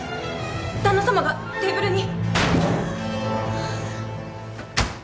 旦那さまがテーブルに。